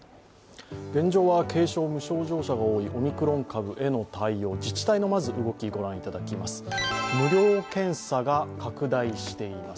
現状は軽症、無症状者が多いオミクロン株への対応、自治体の動き、御覧いただきます。